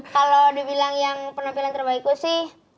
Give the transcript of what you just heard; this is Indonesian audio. kalau dibilang yang penampilan terbaikku sih